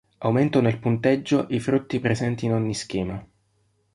Aumentano il punteggio i frutti presenti in ogni schema.